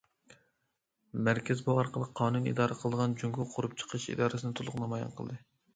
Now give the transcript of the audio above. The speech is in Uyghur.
مەركەز بۇ ئارقىلىق قانۇن ئىدارە قىلىدىغان جۇڭگو قۇرۇپ چىقىش ئىرادىسىنى تولۇق نامايان قىلدى.